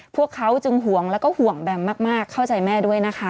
พวกเขาจึงห่วงแล้วก็ห่วงแบมมากเข้าใจแม่ด้วยนะคะ